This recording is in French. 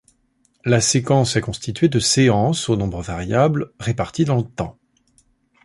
La séquence est constituée de séances, au nombre variable, réparties dans le temps.